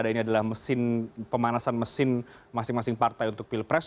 kalau kita jadikan rujukan bahwa pilkada ini adalah pemanasan mesin masing masing partai untuk pilpres